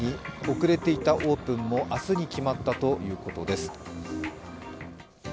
遅れていたオープンも明日に決まったということです。